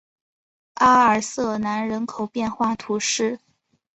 阿尔瑟南人口变化图示